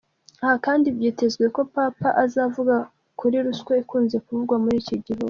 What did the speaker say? Aha kandi, byitezwe ko Papa azavuga kuri ruswa ikunze kuvugwa muri iki gihugu.